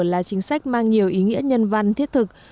là chính sách mang nhiều ý nghĩa nhân văn thiết thực